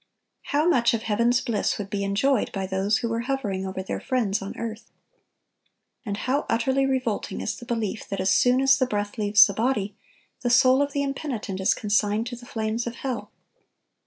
How much of heaven's bliss would be enjoyed by those who were hovering over their friends on earth? And how utterly revolting is the belief that as soon as the breath leaves the body, the soul of the impenitent is consigned to the flames of hell!